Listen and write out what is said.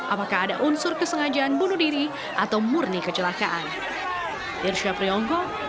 apakah ada unsur kesengajaan bunuh diri atau murni kecelakaan